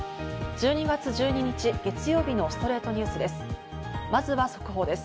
１２月１２日、月曜日の『ストレイトニュース』です。